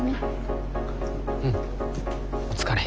うんお疲れ。